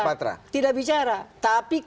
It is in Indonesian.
tapi kalau kita mau bicara putusan itu